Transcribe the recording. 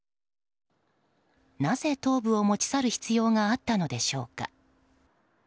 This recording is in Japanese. なぜ頭部を持ち去る必要があったのでしょうか。